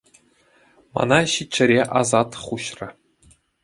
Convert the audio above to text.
Мана ҫиччӗре асат хуҫрӗ.